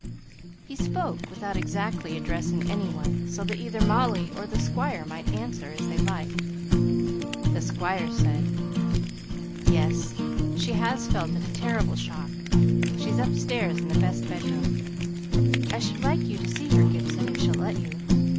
He spoke without exactly addressing any one, so that either Molly or the Squire might answer as they liked. The Squire said, "Yes! She's felt it a terrible shock. She's upstairs in the best bedroom. I should like you to see her, Gibson, if she'll let you.